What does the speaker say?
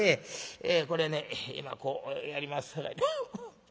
これね今こうやりますさかい」。